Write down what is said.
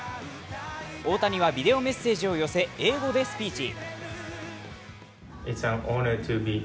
大谷はビデオメッセージを寄せ、英語でスピーチ。